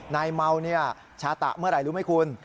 นายเมาชาตะเมื่อไหร่รู้ไหมคุณ